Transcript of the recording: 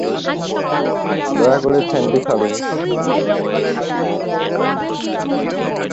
এই বিভাগটি "পদার্থবিজ্ঞানের রত্ন" বা "দ্য জুয়েল অফ ফিজিক্স" নামে সুপরিচিত।